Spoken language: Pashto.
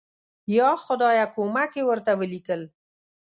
یا خدایه کومک یې ورته ولیکل.